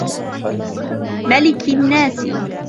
مَلِكِ النّاسِ